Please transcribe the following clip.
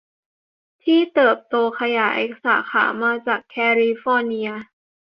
ที่เติบโตขยายสาขามาจากแคลิฟอร์เนีย